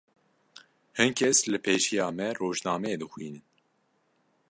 Hin kes li pêşiya me rojnameyê dixwînin.